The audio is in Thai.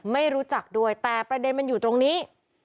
ไม่รู้จักด้วยแต่ประเด็นมันอยู่ตรงนี้